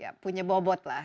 ya punya bobot lah